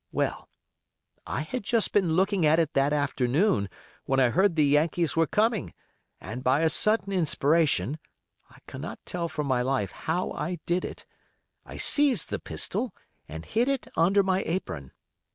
Well, I had just been looking at it that afternoon when I heard the Yankees were coming, and by a sudden inspiration—I cannot tell for my life how I did it—I seized the pistol, and hid it under my apron.